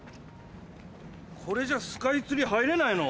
これじゃスカイツリー入れないの？